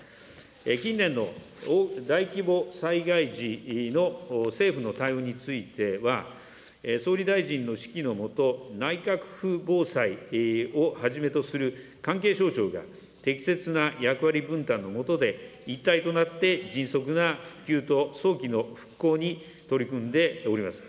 近年の大規模災害時の政府の対応については、総理大臣の指揮の下、内閣府防災をはじめとする関係省庁が、適切な役割分担の下で、一体となって迅速な復旧と、早期の復興に取り組んでおります。